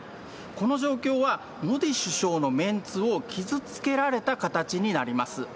この状況は、モディ首相のメンツを傷つけられた形になります。